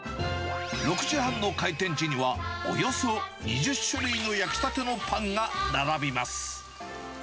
６時半の開店時には、およそ２０種類の焼きたてのパンが並びます。